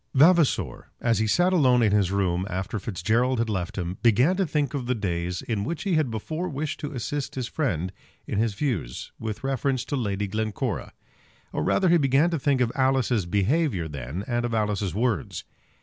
Vavasor, as he sat alone in his room, after Fitzgerald had left him, began to think of the days in which he had before wished to assist his friend in his views with reference to Lady Glencora; or rather he began to think of Alice's behaviour then, and of Alice's words.